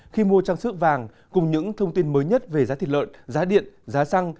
khi mua trang sức vàng cùng những thông tin mới nhất về giá thịt lợn giá điện giá xăng